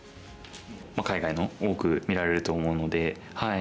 海外の多く見られると思うので。